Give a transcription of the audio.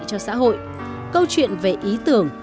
cho xã hội câu chuyện về ý tưởng